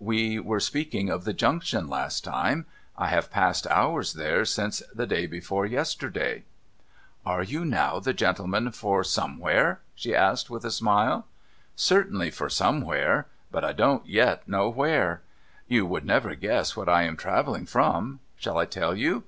We were speaking of the Junction last time. I have passed hours there since the day before yesterday.' DREARY BIRTHDAYS 433 * Are you now the gentleman for Somewhere ?' she asked with a smile. ' Certainly for Somewhere ; but I don't yet know "Where. You would never guess what I am travelling from. Shall I tell you?